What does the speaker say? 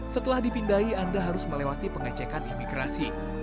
setelah dipindai anda harus melewati pengecekan imigrasi